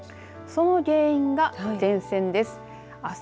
その原因が前線です。